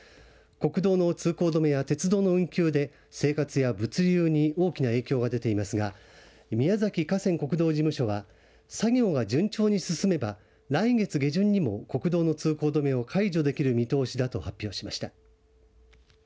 国道の通行止めや鉄道の運休で生活や物流に大きな影響が出ていますが宮崎河川国道事務所は作業が順調に進めば来月下旬にも国道の通行止めを解除できる見通しだと発表しました。